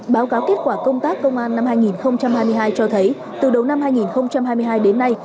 báo cáo kết quả công tác công an năm hai nghìn hai mươi hai cho thấy từ đầu năm hai nghìn hai mươi hai đến nay